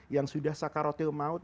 yang sudah sakarotil maut